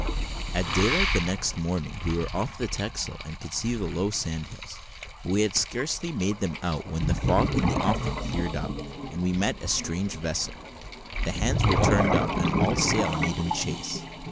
At daylight the next morning we were off the Texel, and could see the low sand hills: but we had scarcely made them out, when the fog in the offing cleared up, and we made a strange vessel. The hands were turned up, and all sail made in chase.